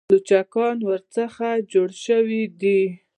لوچکان ورڅخه جوړ شوي دي.